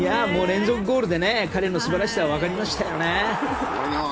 連続ゴールで彼の素晴らしさはわかりましたよね。